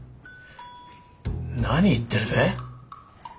何言ってるべ？